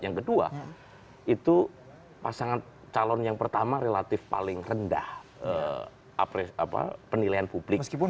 yang kedua itu pasangan calon yang pertama relatif paling rendah apa penilaian publik meskipun